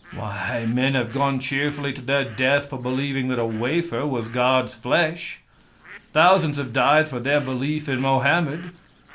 Why, men have gone cheerfully to their death for believing that a wafer was God's flesh. Thousands have died for their belief in Mohammed.